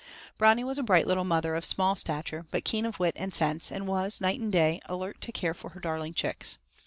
Brownie was a bright little mother, of small stature, but keen of wit and sense, and was, night and day, alert to care for her darling chicks.